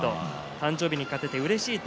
誕生日に勝ててうれしい。